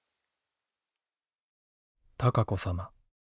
「孝子さま。